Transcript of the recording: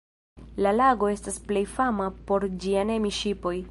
La lago estas plej fama por ĝia Nemi-ŝipoj.